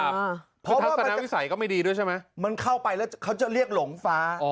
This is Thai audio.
เพราะทัศนวิสัยก็ไม่ดีด้วยใช่ไหมมันเข้าไปแล้วเขาจะเรียกหลงฟ้า